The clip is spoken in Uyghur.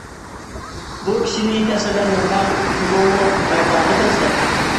بۇ، كىشىنى تەسىرلەندۈرىدىغان تولىمۇ مەردانە پەزىلەت.